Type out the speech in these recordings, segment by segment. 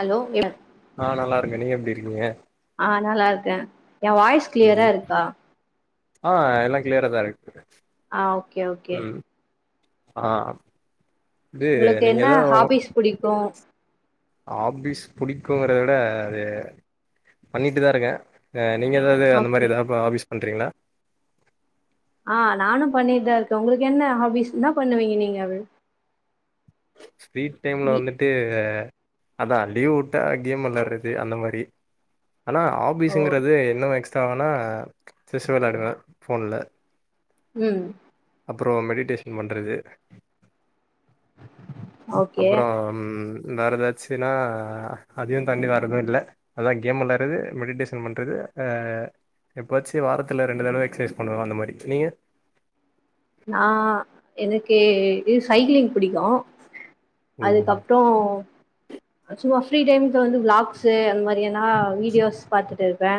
Hello எ ஆ நல்லா இருக்கே நீங்க எப்டி இருக்கீங்க ஆ நல்லா இருக்கே எ வாய்ஸ் கிளியரா ம் இருக்கா ஆ எல்லா கிளியரதா இருக் ஆ ஓகே ஓகே ஆ இது உங்களுக்கு நீங்க என்ன எதோ உங்கு ஹாபிஸ் புடிக்கு ஆபிஸ் புடிக்குங்கறத விட அது பண்ணிட்டுதா இருக்கே அ நீங்க எதாவுது அந்த ஓகே மாரி ஏதாவுத் ப ஆபீஸ் பண்றீங்ளா ஆ நானு பண்ணிட்தாருக்கே உங்களுக் என்ன ஆபிஸ் இன்னா பண்ணுவீங்க நீங்க அவிள் ஸ்வீட் டைம்ல வந்துட்டு அ அதா லீவ் வுட்டா கேம் வெளாட்றது அந்த மாரி ஆனா ஓ ஆபீஸுங்கிறது இன்னு எக்ஸ்ட்ரா வேனா செஸ் வெளையாடுவே ஃபோன்ல ம் அப்றோ மெடிடேஷன் பண்றது ஓகே அப்றோ ம் வேறெதாச்சின்னா அதையு தாண்டி வேறெது இல்ல அதா கேம் வெளையாட்றது மெடிடேஷன் பண்றது அ எப்வாச்சி வாரத்துல ரெண்டு தடவ எக்சைஸ் பண்ணுவோ அந்த மாரி நீங்க [inaudible] ஏ இது சைக்ளிங் புடிக்கு ஓ அதுக்கப்றோ சும்மா ஃப்ரீ டைம்க்கு வந்து விளாக்ஸு அந்த மாரி ஏனா வீடியோஸ் பாத்துட்டு இருப்பே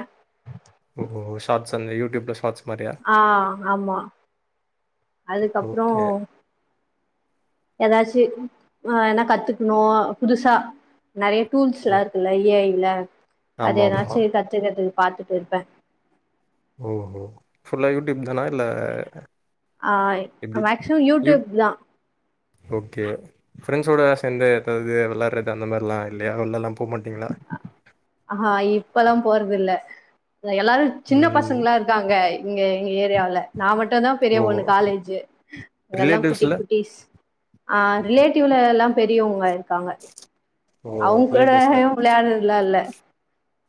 ஓ ஹோ ஷாட்ஸ் அந்த யூடியூப்ல ஷாட்ஸ் ஆ ஆமா அதுக்கப்றோ ஓகே. எதாச்சி ஆ என்னா கத்துக்னு புதுசா நெறைய டூல்ஸ் எல்லா ம். இருக்குல்ல ஏ ஐ ல அது ஆமாமா. ஏதாச்சி கத்துகெற்துக்கு பாத்துட் இருப்பே ஓஹோ ஃபுல்லா யூடியூப் தானா இல்ல ஆ எப்டி? மேக்சிமம் யூட் யூடூப் தா ஓகே ஃப்ரெண்ஸோட சேந்து எதாவது வெளாட்றது அந்த மாரிலா இல்லையா உள்ளெல்லா ஆ ஹா இப்பெல்லா போறதில்ல இங்க எல்லாரு சின்ன ம். பசங்களா இருக்காங்க இங்க எங்க ஏரியாவுல நா மட்டு தா பெரிய ஓ! பொண்ணு காலேஜு இங்க எல்லா குட்டி ரிலேட்டிவ்ஸ்ல? குட்டிஸ் ஆ ரிலேட்டிவ்ல எல்லா பெரியவுங்க இருக்காங்க ஓ! அவுங் கூட ரிலேட்டிவ்ஸ்ல. வெளையாட்றத்லா இல்ல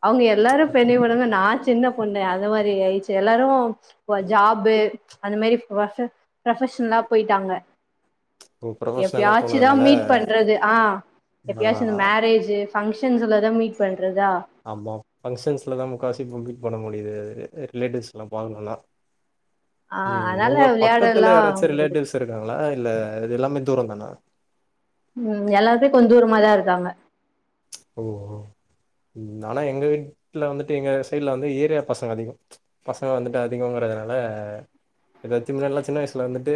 அவுங்க எல்லாரு பெண்ணி வுடுங்க நா சின்ன பொண்ணு அந்த மாரி ஆயிச்சி எல்லாரு வ ஜாபு அந்த மேரி வ பெ ப்ரெப்ஷ்னல்லா போய்ட்டாங்க ஓ! ப்ரொஃபஷ்னலா எப்யாச்சுதா போனதுனால மீட் பண்றது ஆ ஆ எப்யாச்சு இந்த மேரேஜு ஃபங்க்ஷன்ஸ்ல தா மீட் பண்றதா ஆமா ஃபங்க்ஷன்ஸ்ல தா முக்காசி இப்ப மீட் பண்ண முடியிது அ ரிலேட்டிவ்ஸ் எல்லா பாக்கணுனா ஆ ம் அதனால உங்க பக்கத்துல விளையாடல்லா யாராச்சு முடியது ரிலேட்டிவ்ஸ் இருக்காங்களா இல்ல இது எல்லாமே தூரோதானா ம் எல்லாருமே கொஞ்ச தூரமா தா இருக்காங்க ஓ ஆனா எங்க வீட்ல வந்துட்டு எங்க சைட்ல வந்து ஏரியா பசங்க அதிகோ பசங்க வந்துட்டு அதிகங்கற அதனால ஏதாச்சும் நல்ல சின்னயசுல வந்துட்டு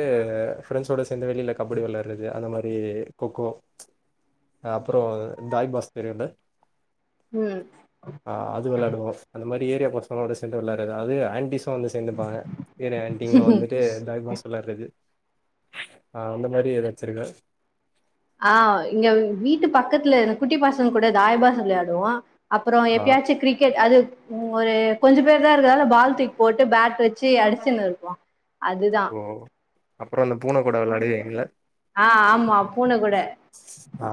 ஃப்ரெண்ட்ஸோட சேர்ந்து வெளியில கபடி வெளாடுறது அந்த மாரி கொக்கோ அப்றோ தாயபாஸ் தெரியுல ம் அ அது வெளையாடுவோ அந்த மாரி ஏரியா பசங்களோடு சேர்ந்து வெளாடுறது அதுவு ஆண்டிஸ் வந்து சேந்துப்பாங்க ஏரியா ஆண்டிங்களு வந்துட்டு தாயபாஸ் வெளாடுறது அ அந்த மாரி எதாச்சு இருக்க அ இங்க வீட்டு பக்கத்துலரு குட்டி பசங்க கூட தாய்பாஸ் வெளையாடுவோ அப்றோ ஆ எப்பயாச்சு கிரிக்கெட் அது ஒரு கொஞ்ச பேர் தா இருக்கதால பால் தூக்கி போட்டு பேட் வெச்சு அடிச்சின்னு இருப்போ அதுதா ஓ ஆ ஆமா பூன கூட அ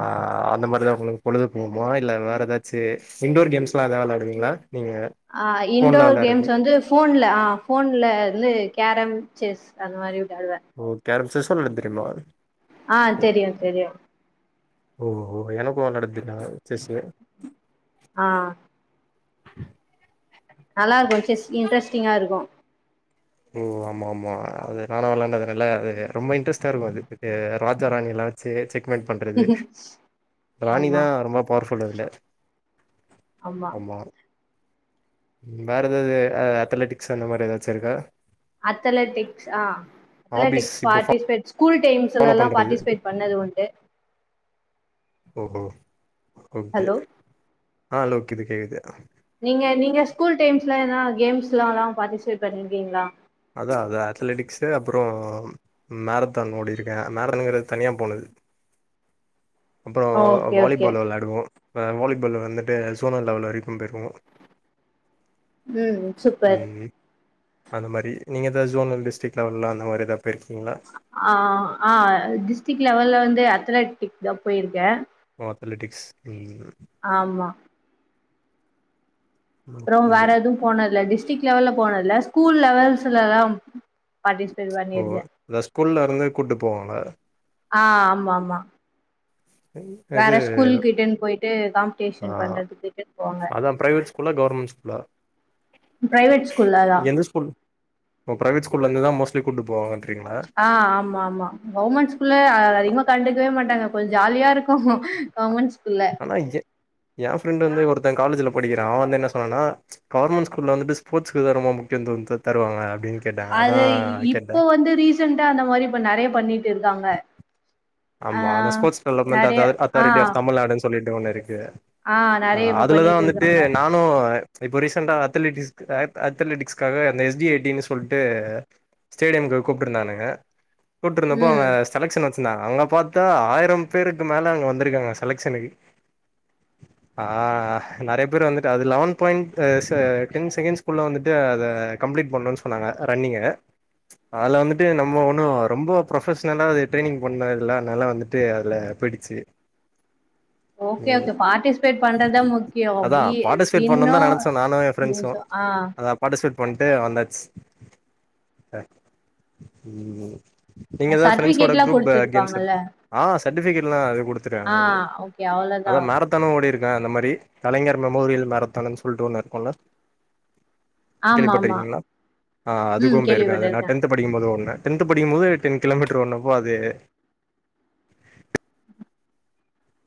அந்த மாரி தா உங்ளுக்கு பொழுது போகுமா இல்ல வேற எதாச்சு இண்டோர் கேம்ஸ்லா நெறைய வெளாடுவீங்களா நீங்க அ ஃபோன்ல இன்டோர் வெளாடுறது கேம்ஸ் வந்து ஃபோன்ல அ ஃபோன்ல வந்து கேரம் செஸ் அந்த மாரி விளையாடுவே ஓ கேரம் செஸ் வெளாட தெரியுமா அ தெரியு தெரியு ஓ ஓ எனக்கு வெளாட தெரியு செஸ்சு அ நல்லா இருக்கு செஸ் இன்ட்ரெஸ்டிங்கா இருக்கு ஓ ஆமா ஆமா அது நானா வெளாயாண்டதால அது நல்ல அது ரொம்ப இன்ட்ரெஸ்ட்டா இருக்கு அது ராஜா ராணி எல்லா வெச்சு செக்மேட் பண்றது ராணி ஆமா தா ரொம்ப பவர்ஃபுல் அதுல ஆமா வேரெதாது அத்லெட்டிக்ஸ் அந்த மாரி எதாச்சு இருக்கா அத்லெட்டிக்ஸ் அ ஹாபிஸ் அத்லெட்டிக்ஸ் இப்போ பார்ட்டிசிபேட் ஸ்கூல் ஃபாலோ டைம்லல்லா பண்றது பார்ட்டிசிபேட் பண்ணது உண்டு ஓஹோ ஓகே ஹலோ அ [unintelligible] நீங்க நீங்க ஸ்கூல் டைம்ஸ்லா எதான கேம்ஸ்லல்லா பார்ட்டிசிபேட் பண்ணிருக்கீங்ளா அதா அ அத்லெட்டிக்ஸ்சு அப்றோ மேரத்தான் ஓடிருக்கே மேரத்தான்னுங்கிறது தனியா போனது [inaudible] அப்றோ ஓகே ஓகே வாலிபால் வெளாடுவோ அ வாலிபால் வந்துட்டு ஜோனல் லெவல் வரைக்கு போயிருக்கோ ம் சூப்பர் அந்த மாரி நீங்க எதாவ்து ஜோனல் டிஸ்டிக் லெவல அந்த மாரி எதா போயிருக்கீங்களா அ அ டிஸ்டிக் லெவல்ல வந்து அத்லெட்டிக் தா போயிருக்க ஓ அத்லெட்டிக்ஸ் ஆமா அப்றோ ஓகே வேற எது போனதுதில்ல டிஸ்ட்ரிக் லெவல்ல போனதுல்ல ஸ்கூல் லெவல்ஸ்ல எல்லா ஓ இந்த ஸ்கூல்ல இருந்து கூட்டு போவாங்க அ ஆமா ஆமா வேற இது ஸ்கூல் கிட்டன்னு போயிட்டு காம்படிஷன் பண்றதுக்கு இட்டுன்னு போவாங்க அதா அ பிரைவேட் ஸ்கூல்லா கவர்மெண்ட் ஸ்கூல்லா பிரைவேட் ஸ்கூல்ல தா எந்த ஸ்கூல் பிரைவேட் ஸ்கூல்ல இருந்துதா மோஸ்டா டிவி கூப்டு போவாங்க அ ஆமா ஆமா கவர்மெண்ட் ஸ்கூல்ல அதிகமா கண்டுக்கவே மாட்டாங்க கொஞ்ச ஜாலியா இருக்கு உமன்ஸ் ஆனா ஜ எ ஃப்ரெண்டு வந்து ஒருத்த காலேஜில படிக்கிறா அவ வந்து என்ன சொன்னனா கவர்மென் ஸ்கூல்ல வந்து ஸ்போட்ஸ்க்குதா ரொம்ப முக்கிய ந்துவ தருவாங்க அப்டின் அது இ இப்ப வந்து ரீசென்டா அந்த மாரி இப்ப நெறைய பண்ணிட்டு இருக்காங்க ஆ ஆமா அந்த ஸ்போட்ஸ் டெவ்லப்மெண்ட் நெறைய அதாரு ஆ அத்தாரிட்டி ஆப் தமிழ்நாடுன்னு சொல்லிட்டு ஒன்னு இருக் ஆ நெறைய இப்ப அஅதுலதா பண்ணிட்டு வந்துட்டு இருக்காங்க நானு இப்போ ரீசெண்டா அத்லெடிக்ஸ்க்கு அத் அத்லெட்டிக்ஸ்க்காக அந்த எஸ் டி ஐடின் சொல்ட்டு ஸ்டேடியம்க்கு கூப்ட்டுருந்தானுங்க கூப்ட்டுருந்தப்போ அவுங்க ம் செலக்ஷன் வச்சிந்தா அங்க பாத்தா ஆயிரம் பேருக்கு மேல அங்க வந்திருக்காங்க செலக்ஷனுக்கு [inaudible] அ நெறய பேர் வந்துட்டு அது லெவன் பாயிண் அ ச டென் செகெண்ஸ் குள்ள வந்துட்டு அத கம்ப்ளீட் பண்ணுன் சொன்னாங்க ரன்னிங்க அதுல வந்துட்டு நம்ம ஒண்ணு ரொம்ப ப்ரொஃபஷ்னலா அது ட்ரைனிங் பண்ண ல அத்னால வந்துட்டு அதுல போய்டுச்சு [inaudible] ஓகே ஓகே பார்டிஸ்பேட் பண்றத்தா முக்கியோ அதா வி பார்ட்டிசிபேட் பண்ணணுன் விண்ணோ தா நெனச்சோ நானு எ ஃப்ரெண்ட்ஸு லூசோ அ அதா பாட்டிஸ்பேட் பண்ட்டு வந்தாச் அ ம் நீங்கதா ஃப்ரெண்ட்ஸோட சர்டிபிகேட்லா குரூப்பு கேம்ஸ் குடுத்துருப்பாங்கல்ல ஆ சட்டிஃபிகேட்லா குடுத்துடாங்க ஆ அது ஓகே அவ்ளோதா அதா மேரத்தானு ஓடிரு க்க அந்த மாரி கலைஞர் மெமோரியல் மேரத்தான்னுன் சொல்ட்டு ஒண்ணு இருக்குல்ல ஆமா ஆமா கேள்விப்பட்டிருக்கீங்ளா ஆ ம் அதுக்கு போயிருக்கே அது நா கேள்விப்பட்டிருக்கே டென்த்து படிக்கும்போது ஓட்ன டென்த்து படிக்கும்போது டென் கிலோமீட்டர் ஓடனப்போ அது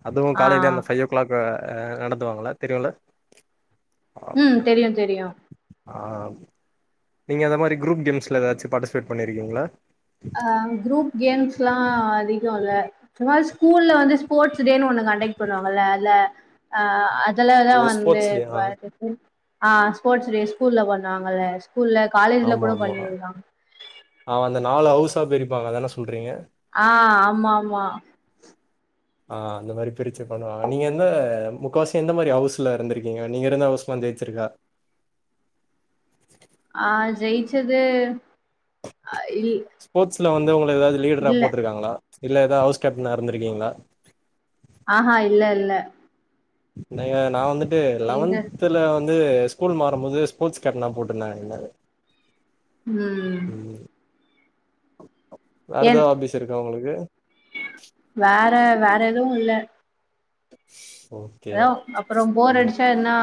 அதுவு ஆ காலைல்யே அந்த ஃபை ஓ க்ளாக் அ அ நடத்துவாங்கள தெரியுல ம் தெரியு தெரியு ஆ நீங்க அந்த மாரி குரூப் கேம்ஸ்ல எதாச்சு பாட்டிஸ்பேட் பண்ணிருக்கீங்ளா அ குரூப் கேம்ஸ்லா அதிகோ‌ இல்ல சுமா ஸ்கூல்ல வந்து ஸ்போட்ஸூ டேனு ஒண்ணு கண்டக் பண்ணுவாங்கல்ல அத்ல அ அ தலதா ஓ வந்து ஸ்போர்ட்ஸ் டே ஆ பாட்டிஸ்பைட் ஆ ஸ்போர்ட்ஸு டே ஸ்கூல்ல பண்ணுவாங்கல ஸ்கூல்ல காலேஜ்ல ஆமா கூட ஆமா பண்ணிருக்காங் ப்பா பிரிப்பாங்க அதான சொல்றீங்க ஆ ஆமாமா ஆ அந்த மாரி பிரிச்சு பண்ணுவாங்க நீங்க எந்த முக்காவாசி எந்த மாரி ஹவுஸ்ல இருந்திருக்கீங்க நீங்க இருந்த ஹவுஸ் மா ஜெயிச்சிருக்கா அ ஜெயிச்சது அ இல் த்துல வந்து உங்கள எதாவ்து லீடரா இல்ல போட்ருக்காங்களா இல்ல எதா ஹவுஸ் கேப்டனா இருந்திருக்கீங்ளா ஆஹா இல்ல இல்ல இன்னெங்க நா வந்துட்டு எங்க லெவன்த்துல வ ந்து ஸ்கூல் மாறும்போது ஸ்போட்ஸ் கேப்டனா போட்ருந்தாங்க என்ன ம் வேற என் ஏதாவது ஹாபிஸ் இருக்கா உங்களுக்கு வேற வேற எதுவு இல்ல ஓகே எதாவ் அப்புறம் போர் அடிச்சா எதனா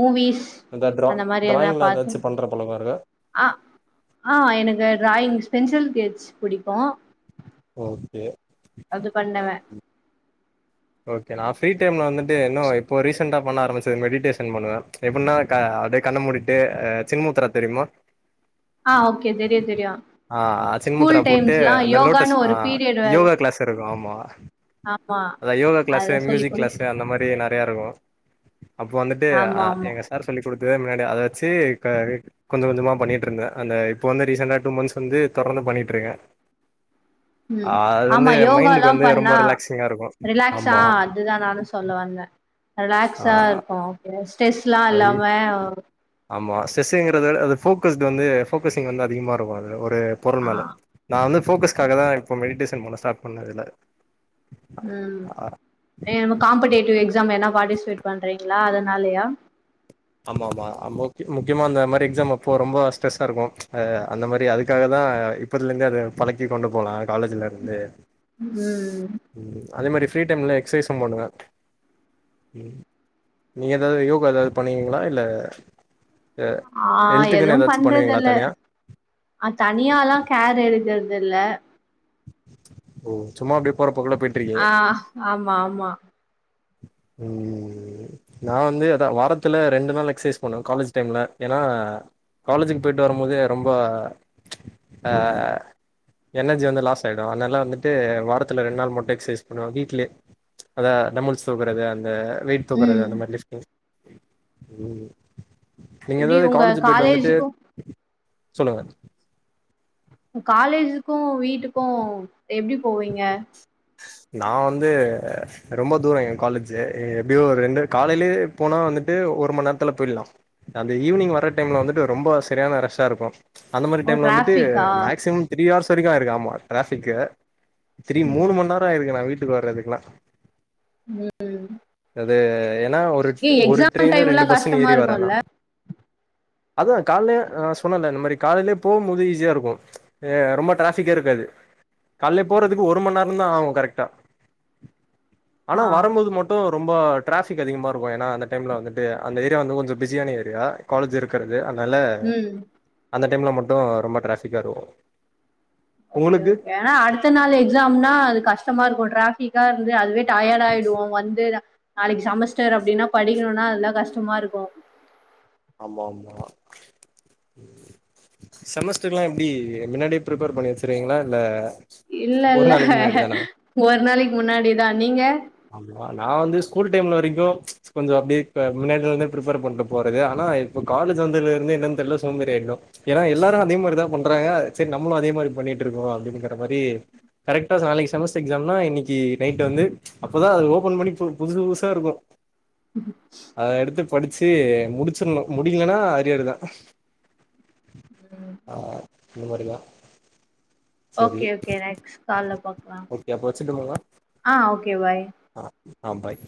மூவீஸ் இந்த ட்ரா அந்த ட்ராயிங்லா எதாச்சு பண்ற பழக்கோ இருக்கா அஹ ஆஹ எனக்கு ட்ராயிங் ஸ்பென்சில் கெச் புடிக்கு ஓகே அது அ பண்ணுவே ம் ஓகே நா ஃப்ரீ டைம்ல வந்துட்டு இன்னு இப்போ ரீசென்டா பண்ண ஆரம்பிச்ச மெடிடேஷன் பண்ணுவே எப்பின்னா கா அப்டியே கண்ண மூடிட்டு் அ சின்முத்திர தெரியுமா ஆ ஓகே தெரியு தெரியு அ அ ஸ்கூல் சின்முத்தரா போட்டு டைம்ஸ்லா அந்த லோட்டஸ் யோகான்னு ஆ ஒரு பீரியட் வேற யோகா க்ளாஸ்லருக்கு ஆமா ஆமா அதா யோகா கிளாஸ் அத சொல்லி மியூசிக் குடு கிளாஸ் அந்த மாரி நறையா இருக்கு அப்போ வந்துட்டு அ ஆமா ஆமா எங்க சார் சொல்லி கொடுத்ததா முன்னாடி அத வச்சு க கொஞ்ச கொஞ்சமா பண்ணிட்டுருந்தே அந்த இப்ப வந்து ரீசன்ட்டா டூ மந்தஸ் வந்து தொ தொடர்ந்து பண்ணிட்டுருக்க ம் ஆமா யோகால்லா மைண்டுக்கு வந்து ரொம்ப பண்ணா ரிலாக்சிங்கா இருக்கு ரிலாக்ஸா ஆமா அதுதா நானு சொல்ல வந்த ஆ ரிலாக்ஸா இருக்கு ப்ப ஸ்ட்ரெஸ்லா அது இல்லாம ஆமா ஸ்டரெஸ்ஸுங்கறத அது ஃபோக்கஸ்டு வந்து ஃபோக்கஸிங் வந்து அதிகமாருக்கு அதுல ஒரு அ பொருள் ஆ மேல நா வந்து ஃபோக்கஸ்க்காக தான் இப்போ மெடிடேஷன் பண்ண ஸ்டார்ட் பண்ணே இதுல ம் ஏ காம்படேட்டிவ் எக்ஸாம் என்ன பார்ட்டிசிபேட் பண்றீங் ல அதனாலயா ஆமா ஆமா முக் முக்கியமா அந்த மாரி எக்ஸா அப்போ ரொம்ப ஸ்ட்ரெஸ்ஸா இருக்கு அந்த மாரி அதுக்காக தா ஆ இப்பத்துலருந்தே அத பழக்கி கொண்டு போலா காலேஜ்லருந்து ம் அதே மாரி ஃப்ரீ டைம்ல எக்சைஸும் பண்ணுவே ம் நீங்க எதாது யோகா எதாது பண்ணுவீங்களா இல்ல ஆ எதுவு ஹெல்த்துக்குன்னு ஏதாச்சு பண்ணுவீங்களா பண்றதில்ல தனியா அ தனியாலா கேர் எடுக்கறது இல்ல ஓ சும்மா அப்டியே போற போக்குல போயிட்டு இருக்கீங்க ஆ ஆமா ஆமா ம் நா வந்து அதா வாரத்துல ரெண்டு நாள் எக்சைஸ் பண்ணுவ காலேஜ் டைம்ல எனா காலேஜுக் போய்ட்டு வரும்போதே ரொம்ப ச் அ எனர்ஜி வந்து லாஸ் ஆய்டு அதனால வந்துட்டு வாரத்துல ரெண் நாள் மட்டு எக்சைஸ் பண்ணுவ வீட்லயே ச் அதா டம்புல்ஸ் தூக்கறது அந்த வெயிட் தூக்கறது ம் அந்த மாரி லிஃப்ட்டிங் ம் நீங்க ஏதோ எப்டி உங்க காலேஜ்க் போய்ட்டு வந்துட்டு காலேஜுக்கு சொல்லுங்க உ காலேஜுக்கு வீட்டுக்கு எப்டி போவீங்க நா வந்து ரொம்ப தூர எ காலேஜு எப்டியோ ஒரு ரெண்டு காலேலயே போனா வந்துட்டு ஒரு மண் நேர்த்துல போய்ட்லா அந்த ஈவ்னிங் வர டைம்ல வந்துட்டு ரொம்ப செரியான ரஷ்ஷா இருக்கு அந்த மாரி ஓ டைம்ல வந்துட்டு டிராஃபிக்கா மேக்சிமம் த்ரீ ஹார்ஸ் வரிக்கு ஆய்ருக்கு ஆமா ட்ராபிக்கு திரி மூணு ம் மணி நேரம் ஆயிருக்கு நா வீட்டுக்கு வர்றதுக்குல்லா ம் அது ஏன்னா ஒரு ஏ ஒரு எக்ஸாம் ட்ரெயினு டைம்லா ரெண்டு பஸ் கஷ்டமா ஏறி வரே நா இருக்குல்ல அததா காலயே சொன்னல இந்த மாரி காலையிலயே போம்போது ஈஸியா இருக்கு ரொம்ப டிராஃபிக்கே இருக்காது காலே போறதுக்கு ஒரு மண் நேரந்தா ஆகு கரெக்டா ஆனா ஆ வரும் போது மட்டு ரொம்ப ட்ராஃபிக் அதிகமா இருக்கு ஏன்னா அந்த டைம்ல வந்துட்டு அந்த ஏரியா வந்து கொஞ்ச பிஸியான ஏரியா காலேஜ் இருக்கிற து அதனால ம் அந்த டைம்ல மட்டு ரொம்ப ட்ராபிக்கா இருக்கு ஓகே உங்களுக்கு ஓகே ஏ அடுத்த நாள் எக்ஸாம்னா அது கஷ்டமா இருக்கு டராபிக்கா இருந்து அதுவே டயடா ஆயிடுவோ வந்து நாளைக்கு செமஸ்டர் அப்டின்னா படிக்கணுனா அதெல்லா கஷ்டமா இருக்கு ஆமா ஆமா செமஸ்டர் எல்லா எப்டி மின்னாடியே பிரிப்பேர் பண்ணி வச்சிருவீங்களா இல்ல இல்ல ஒரு இல்ல நாளைக்கு முன்னாடி தானா ஒரு நாளைக்கு முன்னாடிதா நீங்க ஆமா நா வந்து ஸ்கூல் டைம்ல வரைக்கு கொஞ்ச அப்டியே முன்னாடி நாள்ல இருந்தே பிரிப்பேர் பண்ட்டு போறது ஆனா இப்ப காலேஜ் வந்ததுல இருந்து என்ன தெர்ல சோம்பேறி ஆயிட்டோ எல்லாரு அதே மாரி தா பண்றாங்க சரி நம்ளு அதே மாரி பண்ணிட்டு இருக்கோ அப்டிங்கற மாரி கரெக்டா நாளைக்கு செமஸ்டர் எக்ஸாம்னா இன்னைக்கு நைட் வந்து அப்பதா அது ஓபன் பண்ணி புதுசு புதுசா இருக்கு அத எடுத்து படிச்சு முடிச்சிட்ணு முடிக்கலன்னா அரியர்தா ஆ இந்த மாரியா ஓகே ஓகே நெக்ஸ்ட் கால்ல பாக்லா ஓகே அப்ப வச்சுட்டுங்களா? ஆ ஓகே வாய் ஆ ஆ பாய்